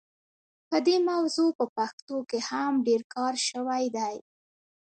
په دې موضوع په پښتو کې هم ډېر کار شوی دی.